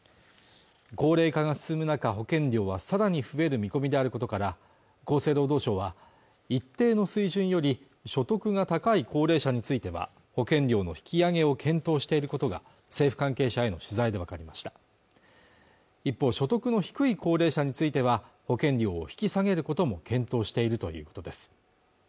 高齢化が進む中、保険料はさらに増える見込みであることから厚生労働省は一定の水準より所得が高い高齢者については保険料の引き上げを検討していることが政府関係者への取材で分かりました一方所得の低い高齢者については保険料を引き下げることも検討しているということです